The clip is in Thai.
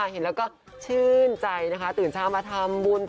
เห็นแล้วก็ชื่นใจนะคะตื่นเช้ามาทำบุญ